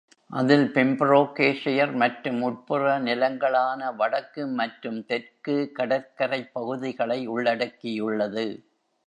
அதில் பெம்பிரோகேஷெயர் மற்றும் உட்புற நிலங்களான வடக்கு மற்றும் தெற்கு கடற்கரைப்பகுதிகளை உள்ளடக்கியுள்ளது.